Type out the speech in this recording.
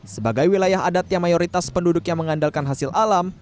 sebagai wilayah adat yang mayoritas penduduk yang mengandalkan hasil alam